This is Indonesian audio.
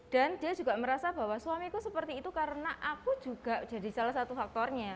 dan dia juga merasa bahwa suamiku seperti itu karena aku juga jadi salah satu faktornya